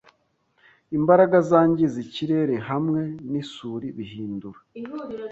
Imbaraga zangiza ikirere hamwe nisuri bihindura